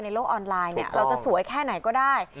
ในโลกออนไลน์เราจะสวยแค่ไหนก็ได้